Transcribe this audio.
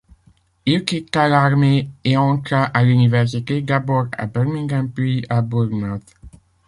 Il quitta l'armée et entra à l'université, d'abord à Birmingham puis à Bournemouth.